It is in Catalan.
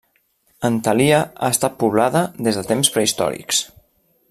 Antalya ha estat poblada des de temps prehistòrics.